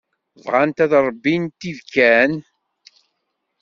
Bɣant ad ṛebbint ibekkan.